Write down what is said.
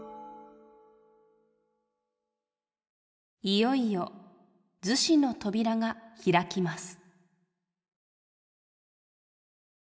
「いよいよ厨子の扉が開きます」。